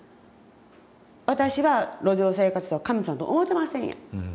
私は路上生活者を神様やと思うてませんやん。